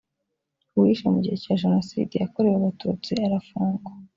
uwishe mu gihe cya jenoside yakorewe abatutsi arafungwa.